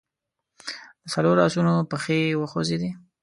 د څلورو آسونو پښې وخوځېدې.